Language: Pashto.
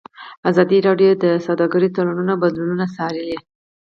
ازادي راډیو د سوداګریز تړونونه بدلونونه څارلي.